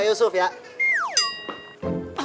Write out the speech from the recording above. enggak yang terus anak orang